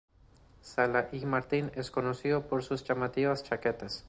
Sala-i-Martín es conocido por sus llamativas chaquetas.